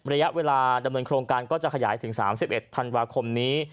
ระยะเวลาดำเนินโครงการก็จะขยายถึง๓๑ธันวาคมนี้